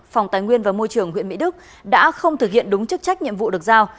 phòng tài nguyên và môi trường huyện mỹ đức đã không thực hiện đúng chức trách nhiệm vụ được giao